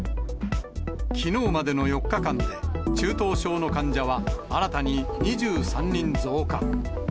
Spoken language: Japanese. きのうまでの４日間で、中等症の患者は新たに２３人増加。